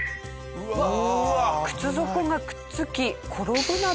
うーわっ！